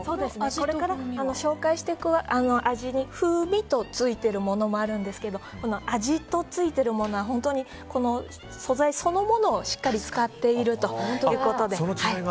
これから紹介していく味に風味とついているものもあるんですが味とついているものは素材そのものをしっかり使っているということで。